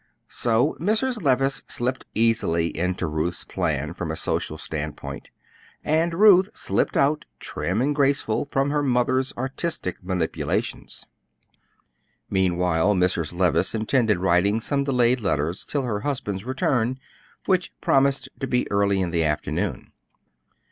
So Mrs. Levice slipped easily into Ruth's plan from a social standpoint, and Ruth slipped out, trim and graceful, from her mother's artistic manipulations. Meanwhile Mrs. Levice intended writing some delayed letters till her husband's return, which promised to be early in the afternoon.